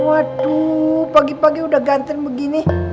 waduh pagi pagi udah ganteng begini